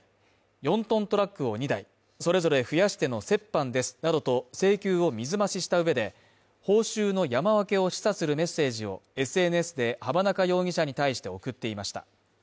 ４ｔトラックを２台、それぞれ増やしての折半ですなどと請求を水増しした上で報酬の山分けを示唆するメッセージをＳＮＳで浜中容疑者に対して送っていました。